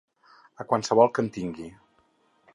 A qualsevol que en tigui.